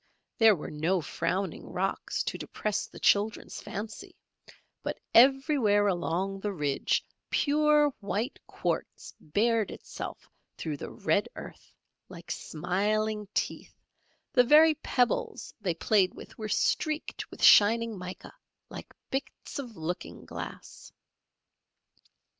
There were no frowning rocks to depress the children's fancy, but everywhere along the ridge pure white quartz bared itself through the red earth like smiling teeth, the very pebbles they played with were streaked with shining mica like bits of looking glass.